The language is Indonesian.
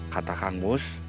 kata kang mus